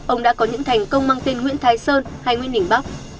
ông đã có những thành công mang tên nguyễn thái sơn hay nguyễn đình bắc